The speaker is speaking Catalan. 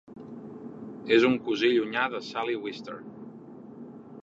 És un cosí llunyà de Sally Wister.